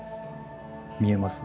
見えます？